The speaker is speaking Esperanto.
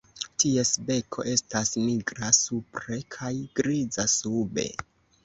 Ties beko estas nigra supre kaj griza sube.